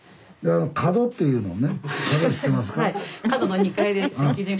「カド」っていうのをね